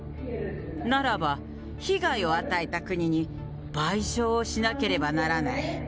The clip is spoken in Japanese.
ならば、被害を与えた国に賠償をしなければならない。